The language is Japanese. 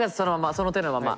その手のまま。